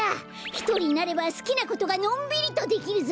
ひとりになればすきなことがのんびりとできるぞ！